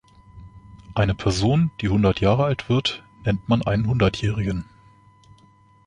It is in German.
Eine Person, die hundert Jahre alt wird, nennt man einen Hundertjährigen.